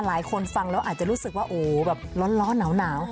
หลายคนฟังแล้วอาจจะรู้สึกว่าโอ้แบบร้อนหนาว